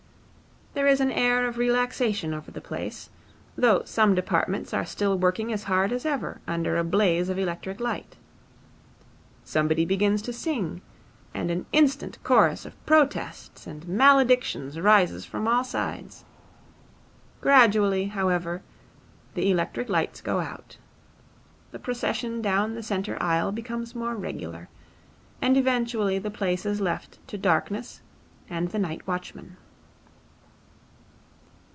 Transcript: There is an air of relaxation over the place, though some departments are still working as hard as ever under a blaze of electric light. Somebody begins to sing, and an instant chorus of protests and maledictions rises from all sides. Gradually, however, the electric lights go out. The procession down the centre aisle becomes more regular; and eventually the place is left to darkness and the night watchman.